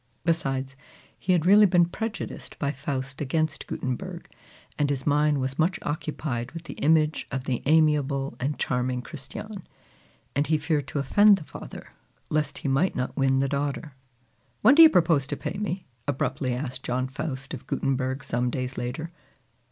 Besides, he had really been prejudiced by Faust against Gutenberg, and his mind was much occupied with the image of the amiable and charming Christiane; and he feared to offend the father lest he might not win the daughter. "When do you propose to pay me?" abruptly asked John Faust of Gutenberg some days later.